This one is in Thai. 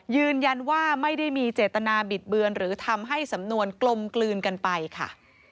ยืนยันว่าไม่ได้มีเจตนาบิดเบือนหรือทำให้สำนวนกลมกลืนกันไปค่ะ